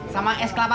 sama es kelapa muda